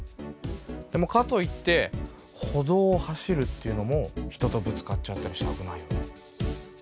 でもかといって歩道を走るっていうのも人とぶつかっちゃったりして危ないよね。